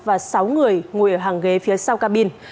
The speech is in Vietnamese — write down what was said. và sáu người ngồi ở hàng ghế phía sau cabin